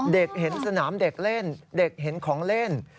เห็นสนามเด็กเล่นเด็กเห็นของเล่น